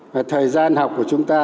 và thời gian học của chúng ta